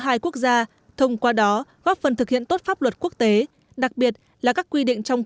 hai quốc gia thông qua đó góp phần thực hiện tốt pháp luật quốc tế đặc biệt là các quy định trong